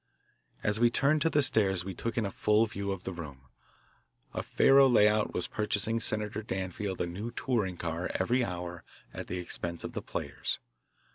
As we turned to the stairs we took in a full view of the room. A faro layout was purchasing Senator Danfield a new touring car every hour at the expense of the players.